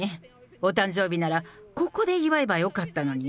お誕生日なら、ここで祝えばよかったのに。